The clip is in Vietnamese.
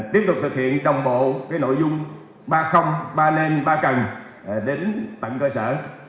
tiếp tục thực hiện đồng bộ nội dung ba ba nên ba cần đến tận cơ sở